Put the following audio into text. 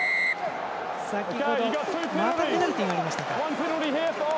また、ペナルティがありました。